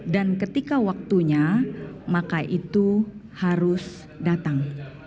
dan ketika waktunya maka itu harus datang